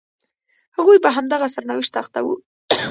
هغوی په همدغه سرنوشت اخته وو.